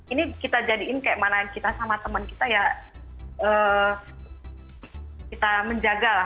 ini kita jadiin kayak mana kita sama teman kita ya kita menjaga lah